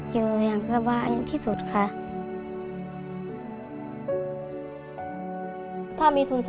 อยู่อย่างสบายที่สุดค่ะ